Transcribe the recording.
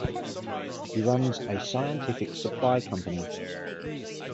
He runs a scientific supply company.